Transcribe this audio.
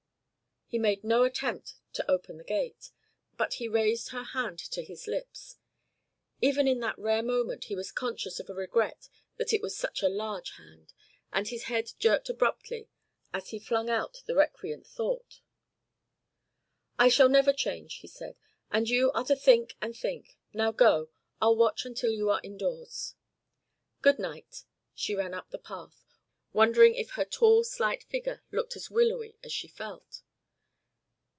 He made no attempt to open the gate, but he raised her hand to his lips. Even in that rare moment he was conscious of a regret that it was such a large hand, and his head jerked abruptly as he flung out the recreant thought. "I never shall change," he said. "And you are to think and think. Now go. I'll watch until you are indoors." "Good night." She ran up the path, wondering if her tall slight figure looked as willowy as it felt.